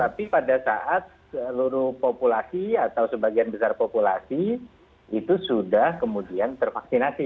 tapi pada saat seluruh populasi atau sebagian besar populasi itu sudah kemudian tervaksinasi